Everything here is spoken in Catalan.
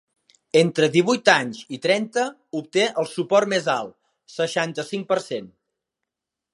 Entre divuit anys i trenta obté el suport més alt: seixanta-cinc per cent.